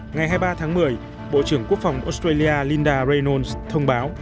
ngày hai mươi ba tháng một mươi bộ trưởng quốc phòng australia linda raynons thông báo